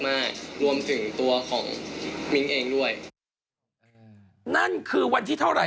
เพราะว่าผมเป็นห่วงความปลอดภัยของเด็กมาก